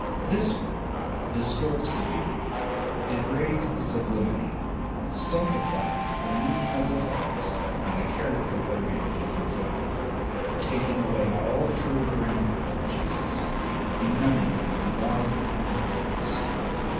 This one distorts the beauty, degrades the sublimity, stultifies the meaning of the facts and the character wherein it has been founded, taking away all true grandeur from Jesus, benumbing our love and reverence.